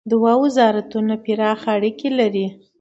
دوه وزارتونه پراخ اړیکي لري.